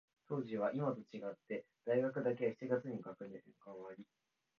当時は、いまと違って、大学だけは七月に学年が終わり、